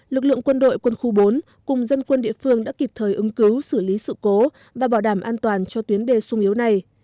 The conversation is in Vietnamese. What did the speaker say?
lực lượng quân đội quân khu bốn cùng dân quân địa phương đã kịp thời ứng cứu xử lý sự cố và bảo đảm an toàn cho tuyến đê sung yếu này